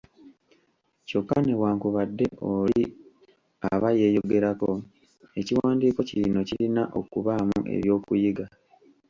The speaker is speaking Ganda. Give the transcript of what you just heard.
Kyokka newanakubadde oli aba yeeyogerako, ekiwandiiko kino kirina okubaamu eby'okuyiga.